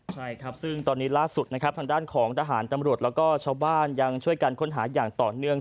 ใช่ครับซึ่งตอนนี้ล่าสุดนะครับทางด้านของทหารตำรวจแล้วก็ชาวบ้านยังช่วยกันค้นหาอย่างต่อเนื่อง